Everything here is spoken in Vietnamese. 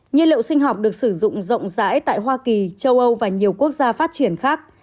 nhiên liệu sinh học được sử dụng rộng rãi tại hoa kỳ châu âu và nhiều quốc gia phát triển khác